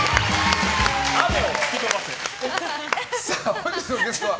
本日のゲストは。